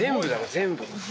全部。